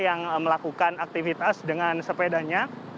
yang melakukan aktivitas dengan sepedanya